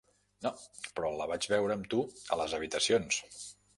No, però la vaig veure amb tu a les habitacions.